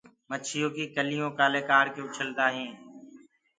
مڇيو ڪي ڪليو ڪآلي ڪآڙڪي اُڇل ديندآ هين